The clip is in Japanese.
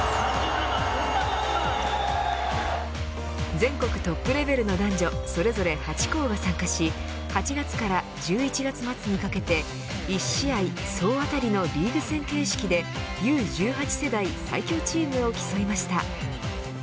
全国トップレベルの男女それぞれ８校が参加し８月から１１月末にかけて１試合総当たりのリーグ戦形式でＵ１８世代最強チームを競いました。